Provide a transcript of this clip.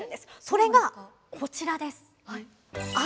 それがこちらです。